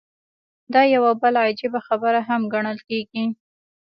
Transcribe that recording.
دا يوه بله عجيبه خبره هم ګڼل کېږي.